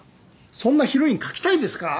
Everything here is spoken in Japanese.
そんなヒロイン描きたいですか？